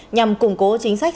nhằm củng cố chính sách